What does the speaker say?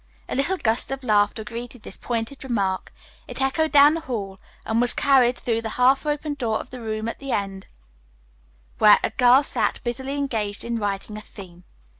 A little gust of laughter greeted this pointed remark. It echoed down the hall, and was carried through the half opened door of the room at the end, where a girl sat busily engaged in writing a theme.